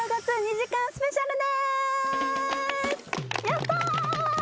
やった！